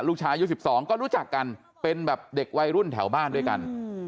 ลูกชายอายุ๑๒ก็รู้จักกันเป็นแบบเด็กวัยรุ่นแถวบ้านด้วยกัน